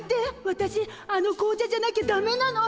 わたしあの紅茶じゃなきゃだめなの！